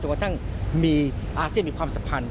จนกว่าอาเซียมีความสัมพันธ์